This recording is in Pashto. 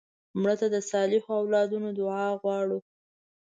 مړه ته د صالحو اولادونو دعا غواړو